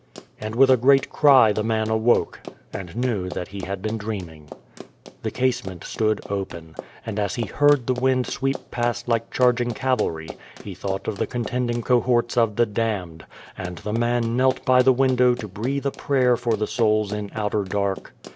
And with a great cry the man awoke, and knew that he had been dreaming. The casement stood open, and as he heard the wind sweep past like charging cavalry, he thought of the contending cohorts of the damned, and the man knelt by the window to breathe a prayer for the souls in outer dark.